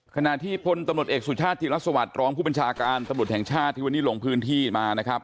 ขณะที่พลตำรวจเอกสุชาติธิรัสสวัสดิรองผู้บัญชาการตำรวจแห่งชาติที่วันนี้ลงพื้นที่มานะครับ